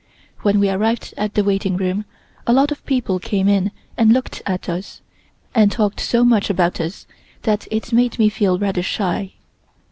When we arrived at the waiting room a lot of people came in and looked at us, and talked so much about us, that it made me feel rather shy.